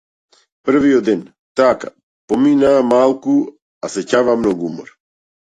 Првиот ден, така, поминаа малку, а сеќаваа многу умор.